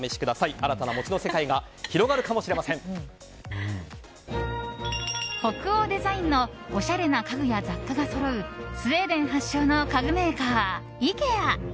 新たな餅の世界が北欧デザインのおしゃれな家具や雑貨がそろうスウェーデン発祥の家具メーカーイケア。